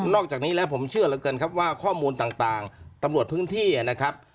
อกจากนี้แล้วผมเชื่อเหลือเกินครับว่าข้อมูลต่างตำรวจพื้นที่นะครับ